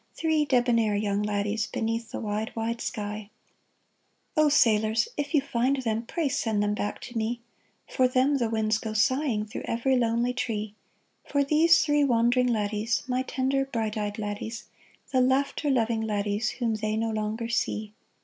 Three debonair young laddies, Beneath the wide, wide sky ? THREE LADDIES ^ 313 O sailors, if you find them, Pray send them back to me ; For them the winds go sighing Through every lonely tree — For these three wandering laddies, My tender, bright eyed laddies, The laughter loving laddies, Whom they no longer see.